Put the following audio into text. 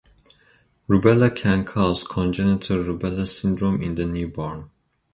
Rubella can cause congenital rubella syndrome in the newborn.